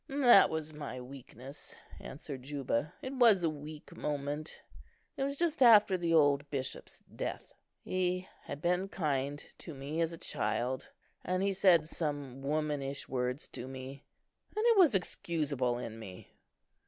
"That was my weakness," answered Juba; "it was a weak moment: it was just after the old bishop's death. He had been kind to me as a child; and he said some womanish words to me, and it was excusable in me."